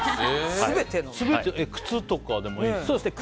靴とかでもいいですか？